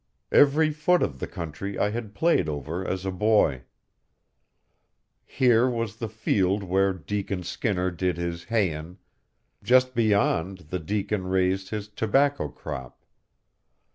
Every foot of the country I had played over as a boy. Here was the field where Deacon Skinner did his "hayin'"; just beyond the deacon raised his tobacco crop.